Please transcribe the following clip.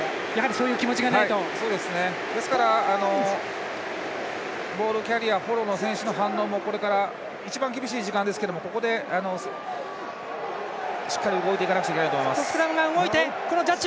ですから、ボールキャリアフォローの選手の反応も、一番厳しい時間ですけどここでしっかり動いていかなきゃいけないと思います。